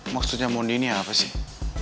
maksudnya mondi ini apa sih